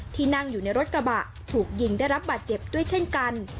ที่นั่งอยู่ในรถกระบะถูกยิงได้รับบาดเจ็บด้วยเช่นกัน